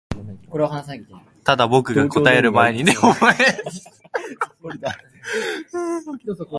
ただ、僕が答える前にねえと君は言った